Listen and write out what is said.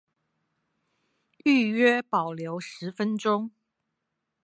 預約保留十分鐘